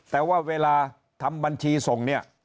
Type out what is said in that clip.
แต่ว่าเวลาทำบัญชีส่งเนี่ย